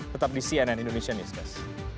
tetap di cnn indonesian news